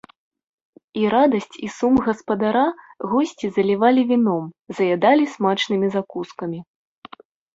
І радасць і сум гаспадара госці залівалі віном, заядалі смачнымі закускамі.